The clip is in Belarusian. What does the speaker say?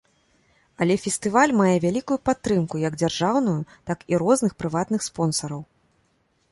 Але фестываль мае вялікую падтрымку як дзяржаўную, так і розных прыватных спонсараў.